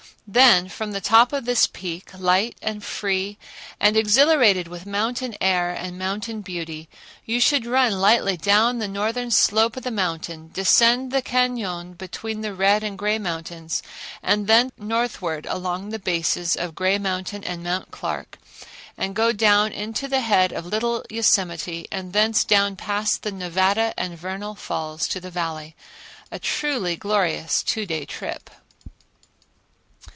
Then from the top of this peak, light and free and exhilarated with mountain air and mountain beauty, you should run lightly down the northern slope of the mountain, descend the cañon between Red and Gray Mountains, thence northward along the bases of Gray Mountain and Mount Clark and go down into the head of Little Yosemite, and thence down past the Nevada and Vernal Falls to the Valley, a truly glorious two day trip!